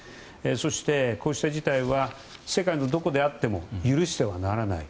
そして、こうした事態は世界のどこであっても許してはならない。